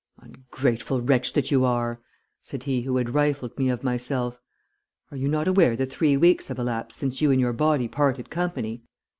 "'Ungrateful wretch that you are!' said he who had rifled me of myself. 'Are you not aware that three weeks have elapsed since you and your body parted company?